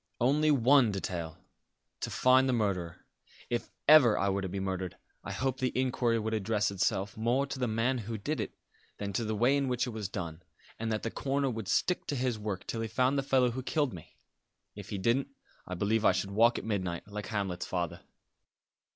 "Only one detail. To find the murderer. If ever I were to be murdered I hope the inquiry would address itself more to the man who did it than to the way in which it was done; and that the coroner would stick to his work till he found the fellow who killed me. If he didn't, I believe I should walk at midnight, like Hamlet's father."